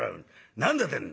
何だってんだ」。